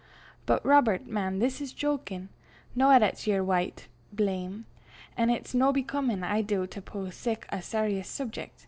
But, Robert, man, this is jokin' no 'at it's your wyte (blame) an' it's no becomin', I doobt, upo' sic a sarious subjec'.